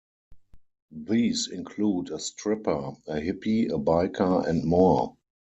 These include a stripper, a hippie, a biker, and more.